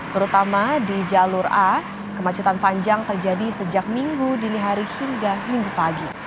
terutama di jalur a kemacetan panjang terjadi sejak minggu dini hari hingga minggu pagi